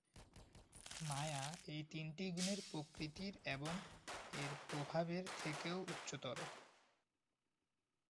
মায়া এই তিনটি গুণের প্রকৃতির এবং এর প্রভাবের থেকেও উচ্চতর।